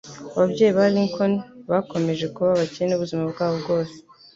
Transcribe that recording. Ababyeyi ba Lincoln bakomeje kuba abakene ubuzima bwabo bwose.